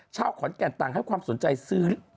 เช่าขอนแก่นตังค์ให้ความสนใจซื้อ